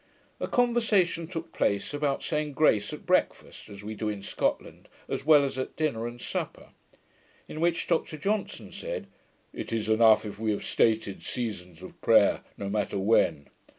A conversation took place, about saying grace at breakfast (as we do in Scotland) as well as at dinner and supper; in which Dr Johnson said, 'It is enough if we have stated seasons of prayer; no matter when.